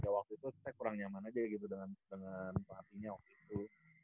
waktu itu saya kurang nyaman aja gitu dengan pelatihnya waktu itu